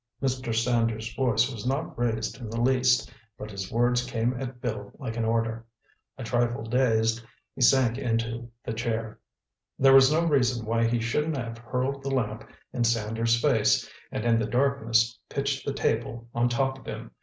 Mr. Sanders' voice was not raised in the least, but his words came at Bill like an order. A trifle dazed, he sank into the chair. There was no reason why he shouldn't have hurled the lamp in Sanders' face, and in the darkness, pitched the table on top of him.